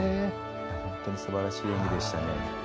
本当にすばらしい演技でした。